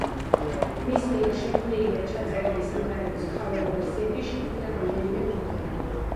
მის მიერ შექმნილი და ჩაწერილი სიმღერების ქავერ ვერსიები შექმნა რამდენიმე მომღერალმა.